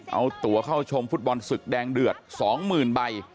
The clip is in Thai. เอาตัวเข้าชมฟุตบอลศึกแดงเดือด๒๐๐๐ใบ